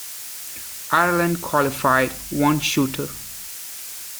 Ireland qualified one shooter.